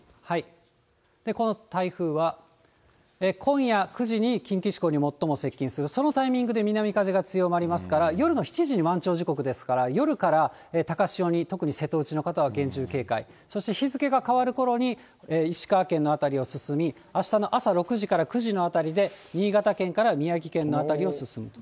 この台風は、今夜９時に近畿地方に最も接近する、そのタイミングで南風が強まりますから、夜の７時に満潮時刻ですから、夜から高潮に特に瀬戸内の方は厳重警戒、そして日付が変わるころに、石川県の辺りを進み、あしたの朝６時から９時のあたりで新潟県から宮城県の辺りを進むと。